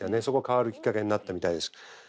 そこが変わるきっかけになったみたいです。